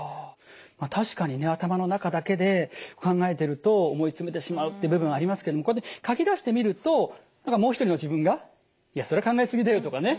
確かにね頭の中だけで考えてると思い詰めてしまうって部分ありますけどこうやって書き出してみると何かもう一人の自分が「いやそりゃ考え過ぎだよ」とかね